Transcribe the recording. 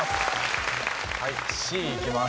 Ｃいきます。